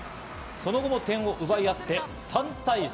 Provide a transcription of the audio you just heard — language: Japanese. その後も点を奪い合って、３対３。